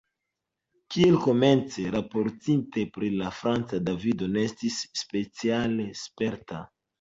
Kiel komence raportite, pri la Franca Davido ne estis speciale sperta.